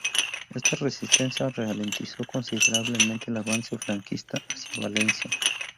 Esta resistencia ralentizó considerablemente el avance franquista hacia Valencia.